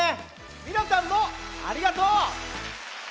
ミラたんもありがとう。